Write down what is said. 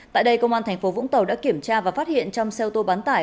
tại đây công an tp vũng tàu đã kiểm tra và phát hiện trong xe ô tô bán tải